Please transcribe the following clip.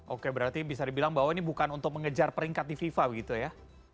oke berarti bisa dibilang bahwa ini bukan untuk mengejar peringkat di fifa begitu ya